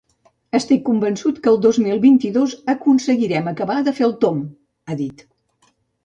“Estic convençut que el dos mil vint-i-dos aconseguirem acabar de fer el tomb”, ha dit.